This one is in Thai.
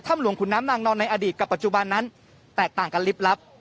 หลวงขุนน้ำนางนอนในอดีตกับปัจจุบันนั้นแตกต่างกันลิบลับ